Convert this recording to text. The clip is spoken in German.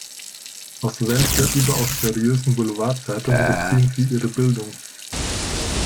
Aus welcher überaus seriösen Boulevardzeitung beziehen Sie Ihre Bildung?